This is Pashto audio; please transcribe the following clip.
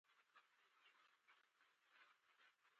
بچیان مو هغه څه ښه زده کوي چې ستاسو څخه يې ویني!